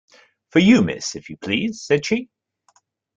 "For you, miss, if you please," said she.